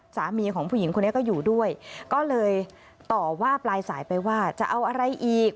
สามีของผู้หญิงคนนี้ก็อยู่ด้วยก็เลยต่อว่าปลายสายไปว่าจะเอาอะไรอีก